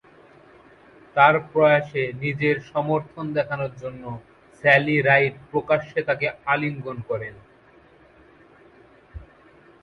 তাঁর প্রয়াসে নিজের সমর্থন দেখানোর জন্যে স্যালি রাইড প্রকাশ্যে তাঁকে আলিঙ্গন করেন।